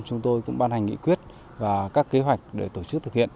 chúng tôi cũng ban hành nghị quyết và các kế hoạch để tổ chức thực hiện